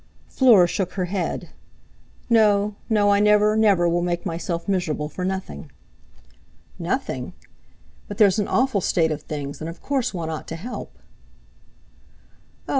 Fleur shook her head. "No, no, I never, never will make myself miserable for nothing." "Nothing! But there's an awful state of things, and of course one ought to help." "Oh!